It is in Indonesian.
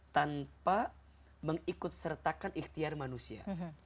tanpa mengikut sertakan ikhtiar manusia